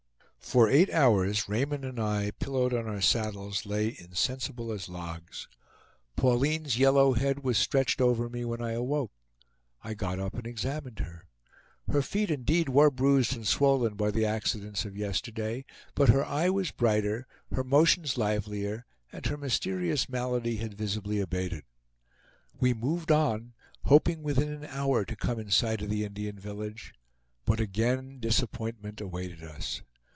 For eight hours Raymond and I, pillowed on our saddles, lay insensible as logs. Pauline's yellow head was stretched over me when I awoke. I got up and examined her. Her feet indeed were bruised and swollen by the accidents of yesterday, but her eye was brighter, her motions livelier, and her mysterious malady had visibly abated. We moved on, hoping within an hour to come in sight of the Indian village; but again disappointment awaited us.